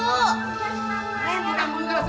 ntar dulu ya pak